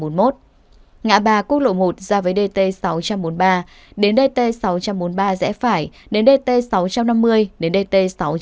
ngã ba quốc lộ một ra với dt sáu trăm bốn mươi ba đến dt sáu trăm bốn mươi ba rẽ phải đến dt sáu trăm năm mươi đến dt sáu trăm bốn mươi